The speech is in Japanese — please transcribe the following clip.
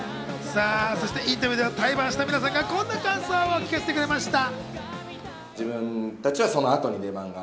そしてインタビューでは対バンした皆さんがこんな感想を聞かせてくれました。